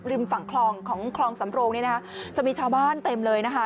ฝั่งคลองของคลองสำโรงนี่นะคะจะมีชาวบ้านเต็มเลยนะคะ